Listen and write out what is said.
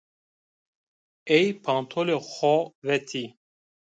Ey pantolê xo vetî